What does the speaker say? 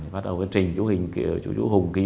bắt đầu vấn trình chú hùng ký